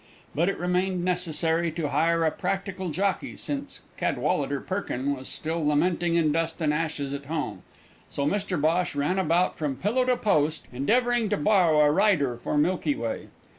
But it remained necessary to hire a practical jockey, since Cadwallader Perkin was still lamenting in dust and ashes at home, so Mr Bhosh ran about from pillow to post endeavouring to borrow a rider for Milky Way.